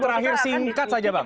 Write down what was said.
terakhir singkat saja bang